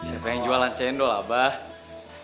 siapa yang jualan channel lah bang